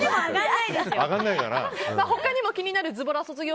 他にも気になるズボラ卒業！！